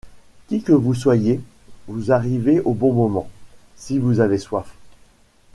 Qui que vous soyez, vous arrivez au bon moment, si vous avez soif!